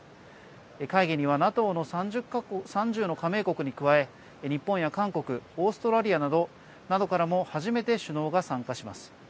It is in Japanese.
会議にはＮＡＴＯの３０の加盟国に加え日本や韓国オーストラリアなどからも初めて首脳が参加します。